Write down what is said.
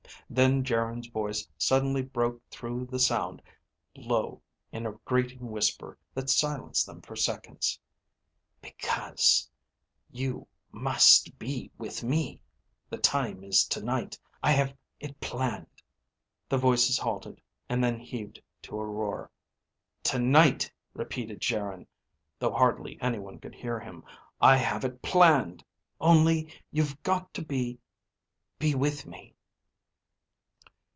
Then Geryn's voice suddenly broke through the sound, low, in a grating whisper that silenced them for seconds. "Because you must be with me! The time is tonight. I have ... I have it planned." The voices halted, and then heaved to a roar. "Tonight," repeated Geryn, though hardly anyone could hear him. "I have it planned. Only you've got to be ... be with me."